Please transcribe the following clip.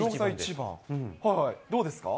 どうですか？